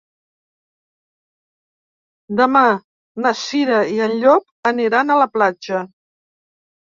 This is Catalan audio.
Demà na Cira i en Llop aniran a la platja.